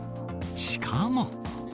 しかも。